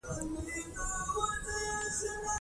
تاسو هم کولای شئ د یوې وسیلې د ښه والي لپاره فکر وکړئ.